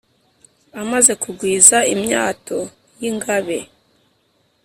amaze kugwiza imyato y’ingabe